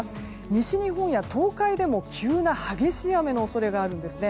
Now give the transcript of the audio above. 西日本や東海でも急な激しい雨の恐れがあるんです。